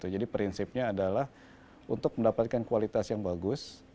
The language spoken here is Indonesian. jadi prinsipnya adalah untuk mendapatkan kualitas yang bagus